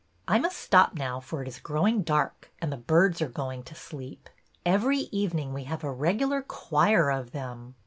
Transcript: I must stop now, for it is growing dark, and the birds are going to sleep. Every evening we have a regular choir of them.